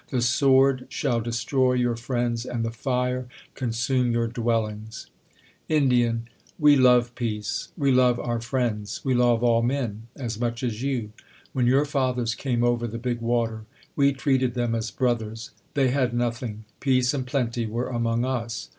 The sword shall destroy your friends, and the nre consume your dwellings. Ind. We love peace ; we love our friends ; we love ail men, as much as you. When your fathers came over the big water, we treated them as brothers : they had nothing: peace and plenty were among us.